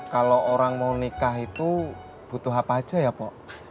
kalau orang mau nikah itu butuh apa aja ya pok